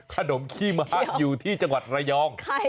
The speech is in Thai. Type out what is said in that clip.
ขนมขี้มะอยู่ที่จังหวัดระยอง